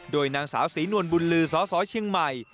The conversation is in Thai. โดยนางสาวศรีนวลบุญลือสสเชียงใหม่